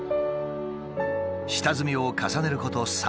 下積みを重ねること３年。